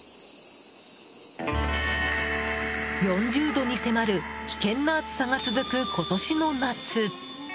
４０度に迫る危険な暑さが続く今年の夏。